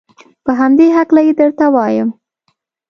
په همدې هلکه یې درته وایم.